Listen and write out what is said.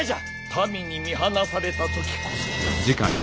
民に見放された時こそ。